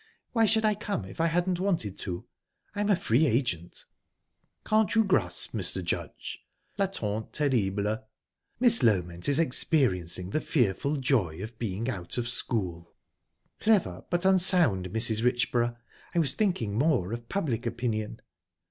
"Why should I come, if I hadn't wanted to? I'm a free agent." "Can't you grasp, Mr. Judge? La tante terrible! Miss Loment is experiencing the fearful joy of being out of school." "Clever, but unsound, Mrs. Richborough. I was thinking more of public opinion."